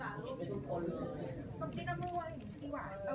อ่าลองขอมานะครับ